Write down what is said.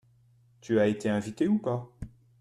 Tu as été invité ou pas ?